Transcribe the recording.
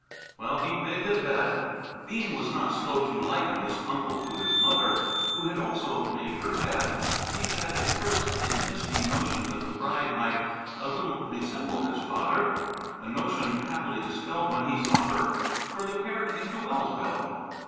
Well, he'd made his bed! Bean was not slow to liken this uncle to his mother, who had also "made her bed." He had at first a misty notion that the bride might a little resemble his father, a notion happily dispelled when he saw her. For the pair came to Wellsville.